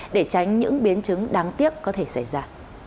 để tránh những biến chứng đáng tiếc có thể xảy ra